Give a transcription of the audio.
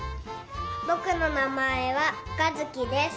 ぼくのなまえはかずきです。